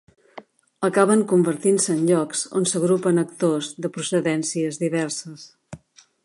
Acaben convertint-se en llocs on s'agrupen actors de procedències diverses.